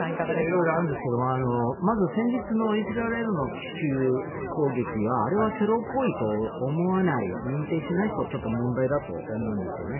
いろいろあるんですけどまず先日のイスラエルの奇襲攻撃はあれはテロ行為と思わない認定しない人はちょっと問題だと思うんですね。